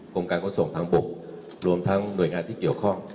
กรมการขนส่งทางบกรวมทั้งหน่วยงานที่เกี่ยวข้อง